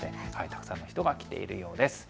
たくさんの人が来ているようです。